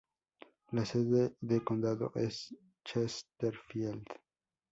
La sede de condado es Chesterfield.